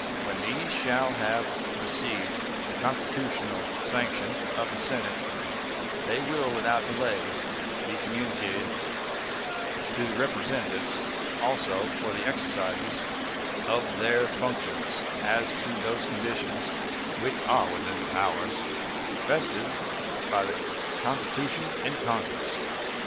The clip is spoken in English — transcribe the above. When these shall have received the constitutional sanction of the Senate, they will without delay be communicated to the Representatives also for the exercise of their functions as to those conditions which are within the powers vested by the Constitution in Congress.